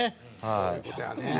そういう事やね。